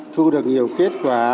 thu được nhiều kết quả